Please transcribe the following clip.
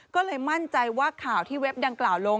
ก็เลยมั่นใจว่าข่าวที่เว็บดังกล่าวลง